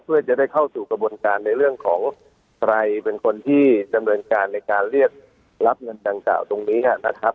เพื่อจะได้เข้าสู่กระบวนการในเรื่องของใครเป็นคนที่ดำเนินการในการเรียกรับเงินดังกล่าวตรงนี้นะครับ